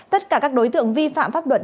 tất cả các đối tượng vi phạm pháp luật